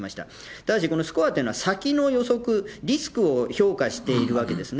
ただしこのスコアというのは、先の予測、リスクを評価しているわけですね。